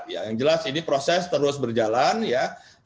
ya yang jelas ini proses terus berjalan ya